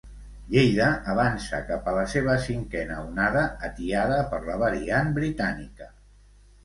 Lleida avança cap a la seva cinquena onada, atiada per la variant britànica.